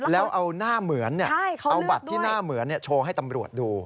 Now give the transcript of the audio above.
แล้วเอาหน้าเหมือนเอาบัตรที่หน้าเหมือนโชว์ให้ตำรวจดู